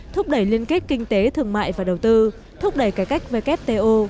thúc đẩy liên kết kinh tế thương mại và đầu tư thúc đẩy cải cách wto